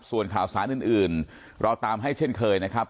ส่วนข่าวสารอื่นเราตามให้เช่นเคยนะครับ